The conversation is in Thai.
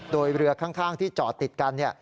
โดยเรือข้างที่จอดติดกัน